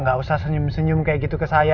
gak usah senyum senyum kayak gitu ke saya